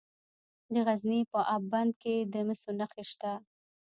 د غزني په اب بند کې د مسو نښې شته.